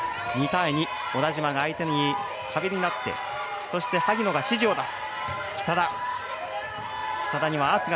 小田島が相手の壁になってそして、萩野が指示を出す。